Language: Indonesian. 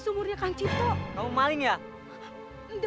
subscribe channel rauh tak semangat